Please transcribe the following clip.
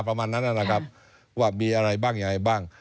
ประมาณนั้นนะครับว่ามีอะไรบ้างยังไงบ้าง